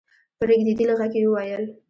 په رېږدېدلې غږ يې وويل: